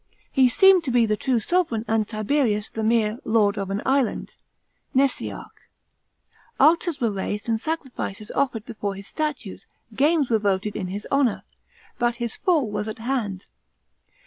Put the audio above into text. He seemed t » be the true sovran and Tiberius the mere " lord of an island" (nvsiarcli) Altars were raised and sacrifices offered before his statues, gnmes were voted in his honour. But his fall was at hand.